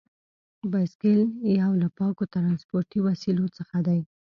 بایسکل یو له پاکو ترانسپورتي وسیلو څخه دی.